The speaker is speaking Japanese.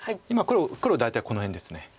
黒大体この辺です。